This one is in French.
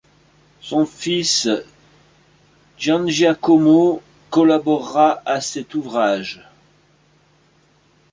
Son fils Giangiacomo collabora à cet ouvrage.